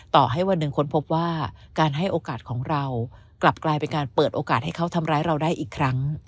ต่อให้วันหนึ่งค้นพบว่าการให้โอกาสของเรากลับกลายเป็นการเปิดโอกาสให้เขาทำร้ายเราได้อีกครั้ง